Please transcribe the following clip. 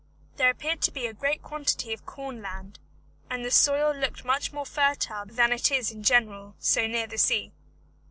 There appeared to be a great quantity of corn land, and the soil looked much more fertile than it is in general so near the sea.